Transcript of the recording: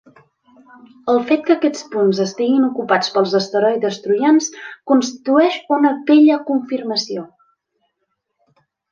El fet que aquests punts estiguin ocupats pels asteroides troians constitueix una bella confirmació.